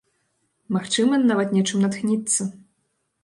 Магчыма, нават нечым натхніцца.